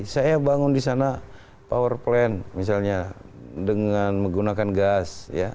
saya bangun di sana power plant misalnya dengan menggunakan gas